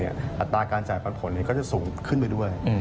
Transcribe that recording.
อัตราการจ่ายปันผลก็จะสูงขึ้นไปด้วย